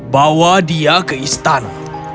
bawa dia ke istana